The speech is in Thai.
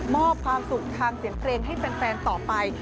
มอบความสุขทางเสียงเพลงให้แฟนต่อไป